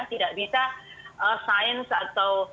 tidak bisa sains atau